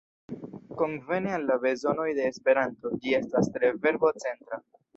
Konvene al la bezonoj de Esperanto, ĝi estas tre verbo-centra.